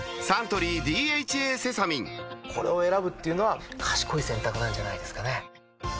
サントリー「ＤＨＡセサミン」これを選ぶっていうのは賢い選択なんじゃないんですかね